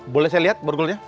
boleh saya lihat borgolnya